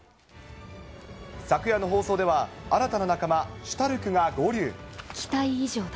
昨夜の放送では、新たな仲間、シュタルクが合流。